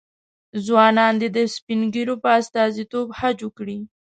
ځوانان دې د سپین ږیرو په استازیتوب حج وکړي.